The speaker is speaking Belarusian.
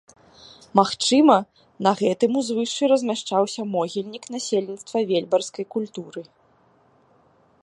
Магчыма, на гэтым узвышшы размяшчаўся могільнік насельніцтва вельбарскай культуры.